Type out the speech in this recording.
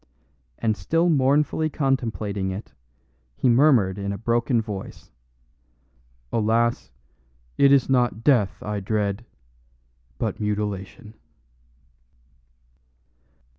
And still mournfully contemplating it, he murmured in a broken voice: "Alas, it is not death I dread, but mutilation."